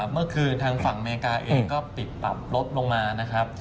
เมื่อคืนทางฝั่งอเมริกาเองก็ปิดปรับลดลงมานะครับ